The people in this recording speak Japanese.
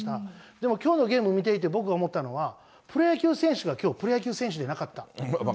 でもきょうのゲーム見ていて、僕が思ったのは、プロ野球選手はきょうはプロ野球選手じゃなかった。